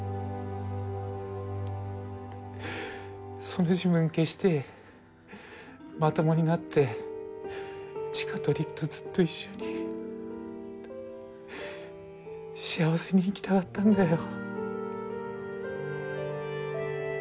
その自分消してまともになって千佳と璃久とずっと一緒に幸せに生きたかったんだよ。